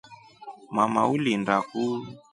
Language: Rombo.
Mama ulinda ku.